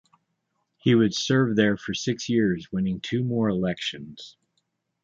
He would serve there for six years, winning two more elections.